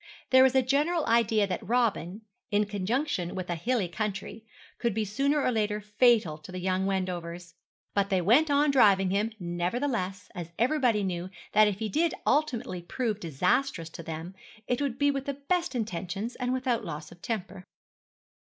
There was a general idea that Robin, in conjunction with a hilly country, might be sooner or later fatal to the young Wendovers; but they went on driving him, nevertheless, as everybody knew that if he did ultimately prove disastrous to them it would be with the best intentions and without loss of temper.